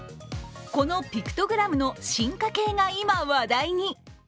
このピクトグラムの進化形が今、話題に。